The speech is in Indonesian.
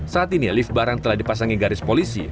saat ini lift barang telah dipasangi garis polisi